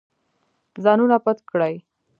ځانونه پټ کړئ.